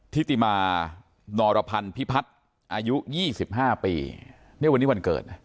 ทิติมานรพันธ์พิพัฒน์อายุ๒๕ปีนี่วันนี้วันเกิดนะ